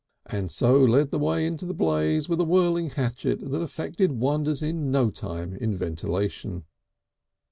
and so led the way into the blaze with a whirling hatchet that effected wonders in no time in ventilation.